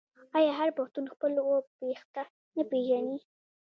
آیا هر پښتون خپل اوه پيښته نه پیژني؟